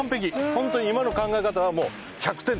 本当に今の考え方はもう１００点です。